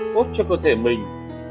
tốt cho cơ thể mình